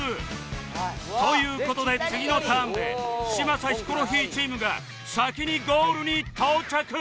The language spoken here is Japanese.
という事で次のターンで嶋佐ヒコロヒーチームが先にゴールに到着